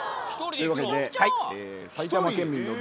というわけで。